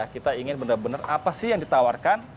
kita ingin benar benar apa sih yang ditawarkan